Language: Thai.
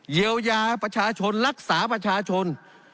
เยียวยาประชาชนรักษาประชาชน